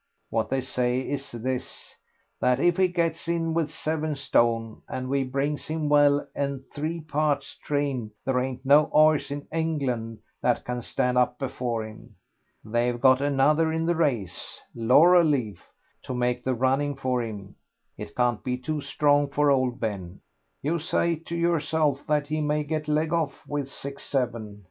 What they say is this, that if he gets in with seven stone, and we brings him well and three parts trained, there ain't no 'orse in England that can stand up before him. They've got another in the race, Laurel Leaf, to make the running for him; it can't be too strong for old Ben. You say to yourself that he may get let off with six seven.